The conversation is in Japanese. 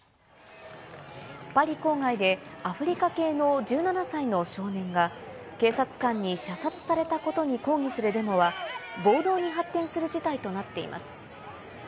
パリ郊外でアフリカ系の１７歳の少年が、警察官に射殺されたことに抗議するデモは、暴動に発展する事態となっています。